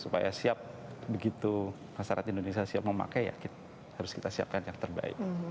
supaya siap begitu masyarakat indonesia siap memakai ya harus kita siapkan yang terbaik